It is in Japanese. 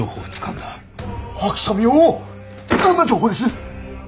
どんな情報です？